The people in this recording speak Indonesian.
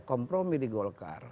kompromi di golkar